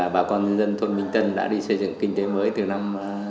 bà con dân thôn minh tân đã đi xây dựng kinh tế mới từ năm tám mươi năm